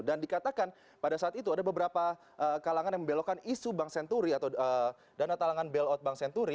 dan dikatakan pada saat itu ada beberapa kalangan yang membelokan isu bank senturi atau dana talangan bailout bank senturi